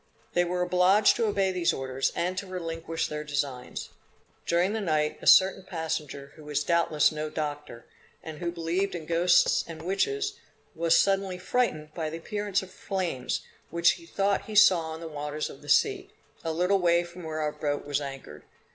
They were obliged to obey these orders, and to relinquish their designs. During the night, a certain passenger who was doubtless no doctor, and who believed in ghosts and witches, was suddenly frightened by the appearance of flames, which he thought he saw in the waters of the sea, a little way from where our boat was anchored.